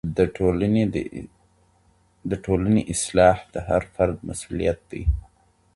د ټولني اصلاح د هر فرد مسولیت دی.